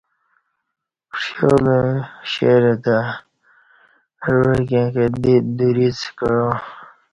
ݜیالہ شیرہ تہ عوہ کے کں دریڅ کعا